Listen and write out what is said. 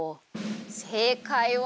せいかいは。